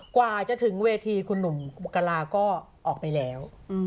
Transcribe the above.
กว่าจะถึงเวทีคุณหนุ่มกราก็ออกไปแล้ว